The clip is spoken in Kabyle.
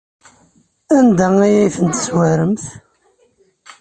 Anda ay ten-tezwaremt?